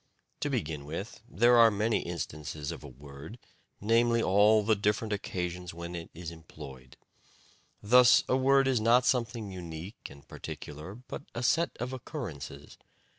To begin with, there are many instances of a word, namely all the different occasions when it is employed. Thus a word is not something unique and particular, but a set of occurrences.